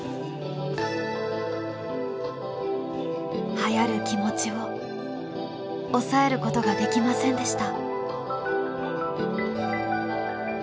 はやる気持ちを抑えることができませんでした。